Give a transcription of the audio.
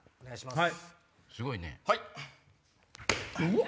すごいね。